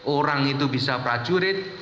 orang itu bisa prajurit